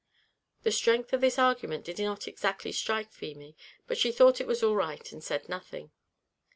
The strength of this argument did not exactly strike Feemy, but she thought it was all right, and said nothing.